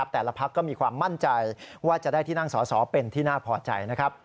แต่ละพักก็มีความมั่นใจว่าจะได้ที่นั่งสอสอเป็นที่น่าพอใจ